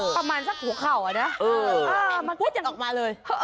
ประมาณสักหัวเข่าอะนะ